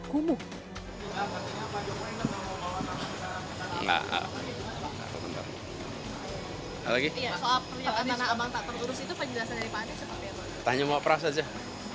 kondisi pasar tanah abang saat ini kumuh